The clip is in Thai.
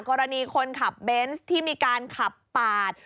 กรณีคนขับเบนส์ที่มีการขับปาด